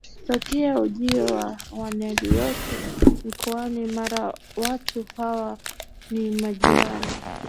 tokea ujio wa Waniloti Mkoani Mara watu hawa ni majirani